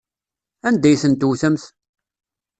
Anda ay ten-tewtemt?